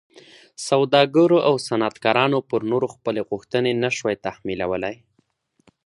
سوداګرو او صنعتکارانو پر نورو خپلې غوښتنې نه شوای تحمیلولی.